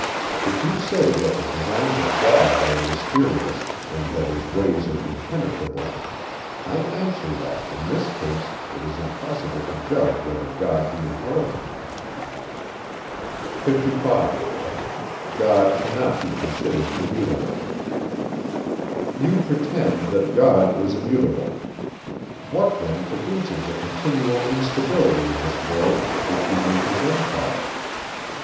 If you say, that the designs of God are mysterious and that his ways are impenetrable; I answer, that, in this case, it is impossible to judge whether God be intelligent. 55. You pretend, that God is immutable! What then produces a continual instability in this world, which you make his empire?